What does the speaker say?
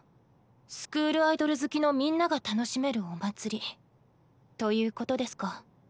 スクールアイドル好きのみんなが楽しめるお祭りということですか。